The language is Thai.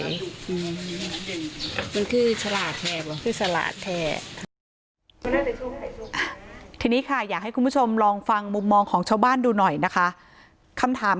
เป็นคือสลาดแทกคือสลาดแทกที่นี้ค่ะอยากให้คุณผู้ชมลองฟังมุมมองของชาวบ้านดูหน่อยนะคะคำถาม